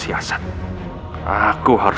lihat perilaku dan